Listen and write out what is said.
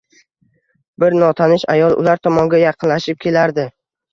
Bir notanish ayol ular tomonga yaqinlashib kelardi